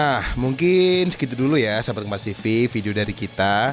nah mungkin segitu dulu ya sahabat kompas tv video dari kita